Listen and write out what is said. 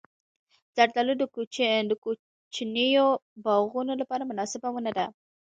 زردالو د کوچنیو باغونو لپاره مناسبه ونه ده.